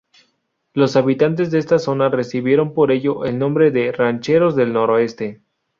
Los habitantes de esta zona recibieron por ello el nombre de "Rancheros del Noroeste".